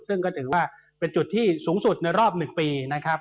ซึ่งก็ถือว่าเป็นจุดที่สูงสุดในรอบ๑ปีนะครับ